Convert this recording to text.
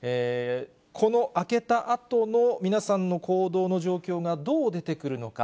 この明けたあとの、皆さんの行動の状況がどう出てくるのか。